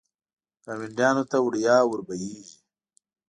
ګاونډیانو ته وړیا ور بهېږي.